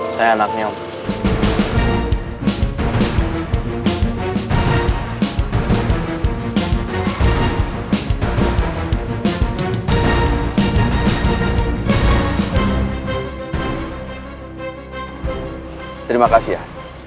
apa hubungan kamu dengan pak pratama ardiansyah